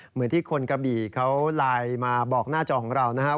เหมือนที่คนกะบี่เขาไลน์มาบอกหน้าจอของเรานะครับ